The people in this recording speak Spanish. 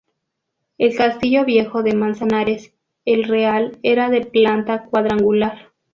El castillo viejo de Manzanares el Real era de planta cuadrangular.